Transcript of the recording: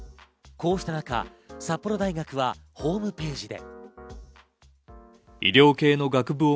こうしたなか札幌大学はホームページで。